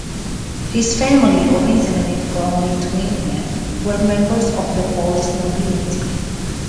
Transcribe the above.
His family, originally from Lithuania, were members of the Polish nobility.